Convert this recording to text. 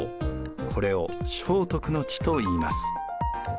これを正徳の治といいます。